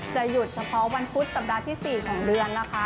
หยุดเฉพาะวันพุธสัปดาห์ที่๔ของเดือนนะคะ